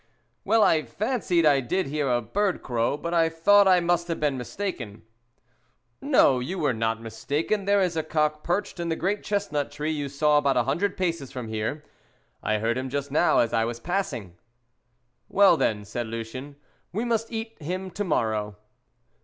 "Well, I fancied I did hear a bird crow, but I thought I must have been mistaken!" "No, you were not mistaken, there is a cock perched in the great chestnut tree you saw about a hundred paces from here. I heard him just now as I was passing." "Well, then," said Lucien, "we must eat him tomorrow."